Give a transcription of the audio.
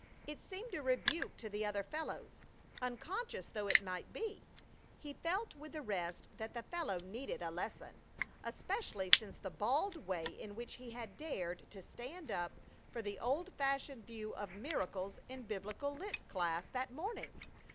It seemed a rebuke to the other fellows, unconscious though it might be. He felt with the rest that the fellow needed a lesson. Especially since the bald way in which he had dared to stand up for the old fashioned view of miracles in biblical lit. class that morning.